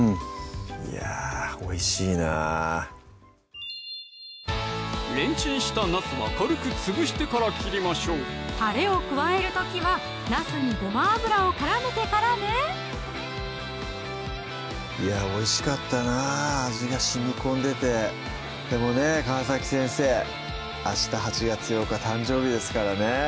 いやおいしいなぁレンチンしたなすは軽くつぶしてから切りましょうたれを加える時はなすにごま油をからめてからねいやおいしかったなぁ味がしみこんでてでもね川先生明日８月８日誕生日ですからね